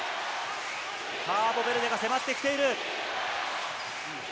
カーボベルデが迫ってきている。